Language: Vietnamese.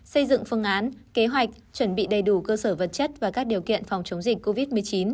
xây dựng phương án kế hoạch chuẩn bị đầy đủ cơ sở vật chất và các điều kiện phòng chống dịch covid một mươi chín